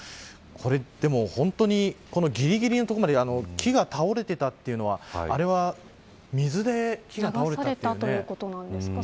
これ、でも本当にぎりぎりの所まで木が倒れていたというのはあれは水で木が倒れたんですかね。